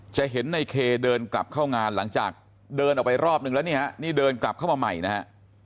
จะเห็นในเคเดินกลับเข้างานหลังจากเดินออกไปรอบนึงแล้วนี่ฮะนี่เดินกลับเข้ามาใหม่นะฮะ